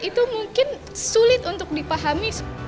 itu mungkin sulit untuk dipahami